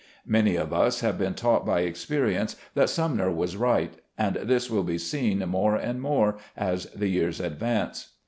Many of us have been taught by experience that Sumner was right, and this will be seen more and more as the years advance.